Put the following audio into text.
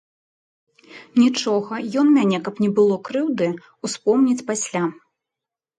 Нічога, ён мяне, каб не было крыўды, успомніць пасля.